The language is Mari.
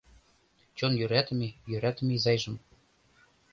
Чон йӧратыме, йӧратыме изайжым